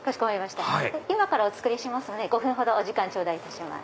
今からお作りしますので５分ほどお時間頂戴いたします。